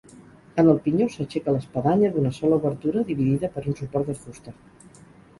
En el pinyó s'aixeca l'espadanya d'una sola obertura dividida per un suport de fusta.